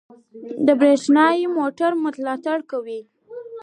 د بریښنايي موټرو ملاتړ کوي.